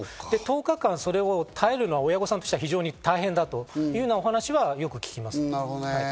１０日間、それを耐えるのは親御さんとしては非常に大変だという話はよく聞きます。